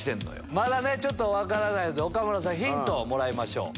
まだ分からないので岡村さんヒントをもらいましょう。